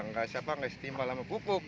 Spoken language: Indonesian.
nggak setimpal sama pupuk